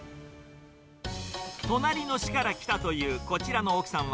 隣の市から来たというこちらの奥さんは、